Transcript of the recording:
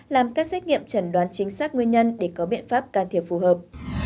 làm các xét nghiệm chẩn đoán chính xác nguyên nhân để có biện pháp can thiệp phù hợp